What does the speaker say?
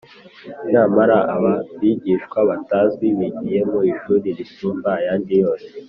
nyamara aba bigishwa batazwi bigiye mu ishuri risumba ayandi yose